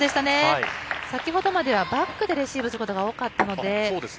先ほどまではバックでレシーブすることが多かったので。